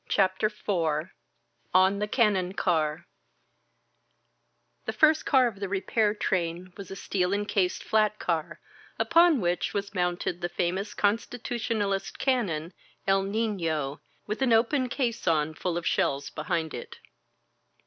CHAPTER IV ON THE CANNON CAR THE first car of the repair train was a steel en cased flat car, upon which was mounted the famous Constitutionalist cannon ^^El Nifio," with an open caisson full of shells behind it.